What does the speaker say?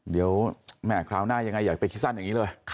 เดี๋ยวก็จะขึ้น